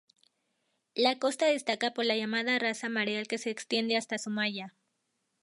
La costa destaca por la llamada rasa mareal que se extiende hasta Zumaya.